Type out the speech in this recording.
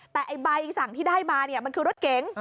แต่ใบสั่งที่ได้มามันคือรถเก๋ง